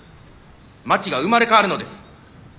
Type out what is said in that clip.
町が生まれ変わるのです。